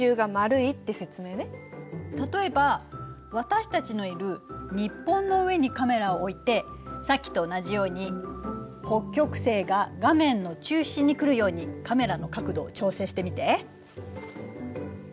例えば私たちのいる日本の上にカメラを置いてさっきと同じように北極星が画面の中心に来るようにカメラの角度を調整してみて。